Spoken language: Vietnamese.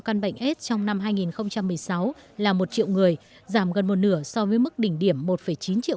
căn bệnh s trong năm hai nghìn một mươi sáu là một triệu người giảm gần một nửa so với mức đỉnh điểm một chín triệu